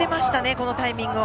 このタイミングを。